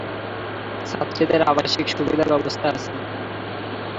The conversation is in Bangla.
ছাত্রীদের আবাসিক সুবিধা ব্যবস্থা আছে।